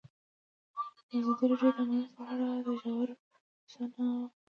ازادي راډیو د امنیت په اړه په ژوره توګه بحثونه کړي.